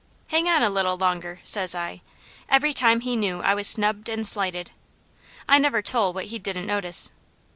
'Hang on a little longer,' says I, every time he knew I was snubbed an' slighted. I never tole what he didn't notice.